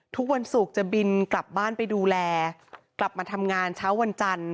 ทุกวันศุกร์จะบินกลับบ้านไปดูแลกลับมาทำงานเช้าวันจันทร์